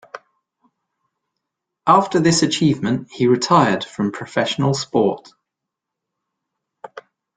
After this achievement he retired from professional sport.